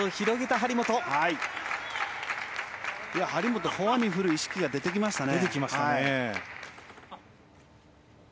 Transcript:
張本フォアに振る意識が出てきましたね。